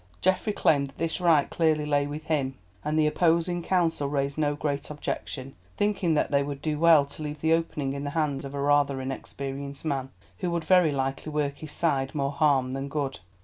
Geoffrey claimed that this right clearly lay with him, and the opposing counsel raised no great objection, thinking that they would do well to leave the opening in the hands of a rather inexperienced man, who would very likely work his side more harm than good.